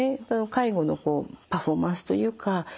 介護のパフォーマンスというか